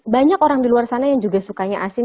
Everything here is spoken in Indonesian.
banyak orang di luar sana yang juga sukanya asin